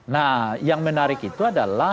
nah yang menarik itu adalah